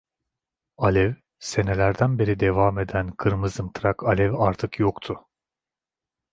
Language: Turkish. Alev, senelerden beri devam eden kırmızımtırak alev artık yoktu.